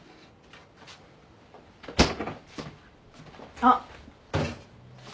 あっ。